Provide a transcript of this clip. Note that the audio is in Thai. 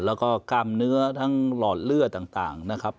แล้วก็กล้ามเนื้อทั้งหลอดเลือดต่างนะครับ